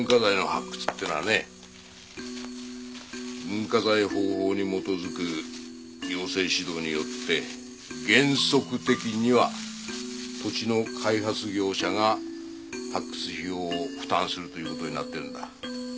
文化財保護法に基づく行政指導によって原則的には土地の開発業者が発掘費用を負担するという事になってるんだ。